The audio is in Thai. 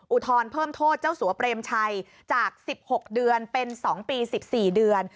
อุทธรณ์เพิ่มโทษเจ้าสัวเปรมชัยจาก๑๖เดือนเป็น๒ปี๑๔เดือน